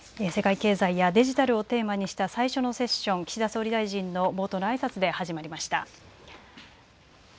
世界経済やデジタルをテーマにした最初のセッション岸田総理大臣の冒頭のあいさつで始まりました。